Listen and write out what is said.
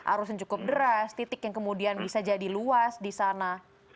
arus yang cukup deras titik yang kemudian bisa jadi luas di sana